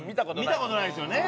見た事ないですよね。